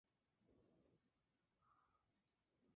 Durante el experimento, no fue detectada ninguna forma de radiación.